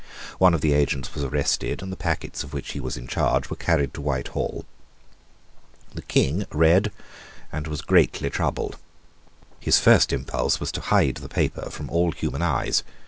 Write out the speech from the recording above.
One of the agents was arrested, and the packets of which he was in charge were carried to Whitehall. The King read, and was greatly troubled. His first impulse was to bide the paper from all human eyes.